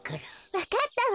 わかったわ！